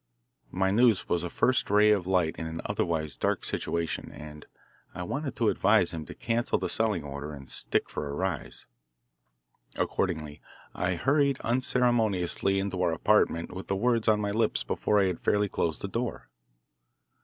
My news was a first ray of light in an otherwise dark situation, and I wanted to advise him to cancel the selling order and stick for a rise. Accordingly I hurried unceremoniously into our apartment with the words on my lips before I had fairly closed the door.